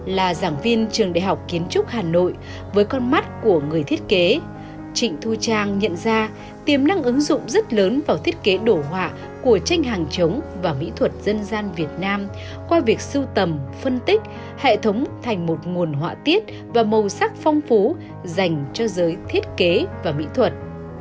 là giảng viên trường đại học kiến trúc hà nội với con mắt của người thiết kế trịnh thu trang nhận ra tiềm năng ứng dụng rất lớn vào thiết kế đổ họa của tranh hàng chống và mỹ thuật dân gian việt nam qua việc sưu tầm phân tích hệ thống thành một nguồn họa tiết và màu sắc phong phú dành cho giới thiết kế và mỹ thuật